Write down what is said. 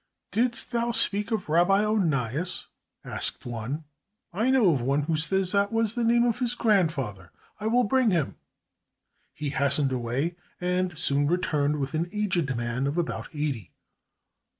"Didst thou speak of Rabbi Onias?" asked one. "I know of one who says that was the name of his grandfather. I will bring him." He hastened away and soon returned with an aged man of about eighty.